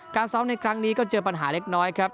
ซ้อมในครั้งนี้ก็เจอปัญหาเล็กน้อยครับ